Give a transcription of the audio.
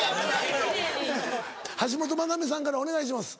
橋本マナミさんからお願いします。